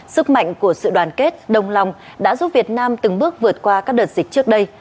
sức mạnh của sự đoàn kết đồng lòng đã giúp việt nam từng bước vượt qua các đợt dịch trước đây